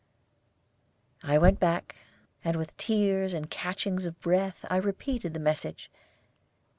I went back, and with tears and catchings of the breath I repeated the message.